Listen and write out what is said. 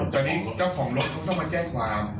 ตอนนี้เจ้าของรถเขาก็มาแจ้งความ